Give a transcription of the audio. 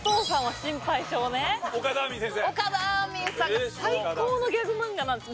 先生岡田あーみんさんが最高のギャグ漫画なんです